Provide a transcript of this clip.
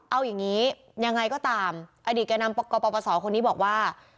เอาอย่างนี้ยังไงก็ตามอดีตแก่นำกปศคนนี้บอกว่า